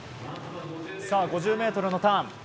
５０ｍのターン。